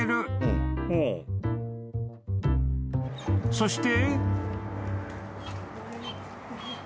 ［そして］